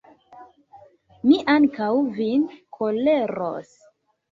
Mi ankaŭ vin koleros.